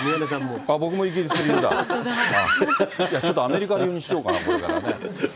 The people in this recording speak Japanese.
ちょっとアメリカ流にしようかな、これからね。